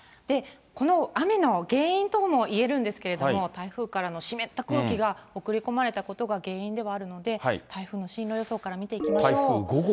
この雨の原因ともいえるんですけれども、台風からの湿った空気が送り込まれたことが原因ではあるので、台風の進路予想から見ていきましょう。